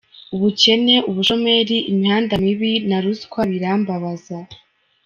Ubukene, ubushomeri, imihanda mibi na ruswa birambabaza.